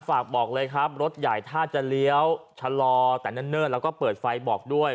ฝากบอกเลยครับรถใหญ่ถ้าจะเลี้ยวชะลอแต่เนิ่นแล้วก็เปิดไฟบอกด้วย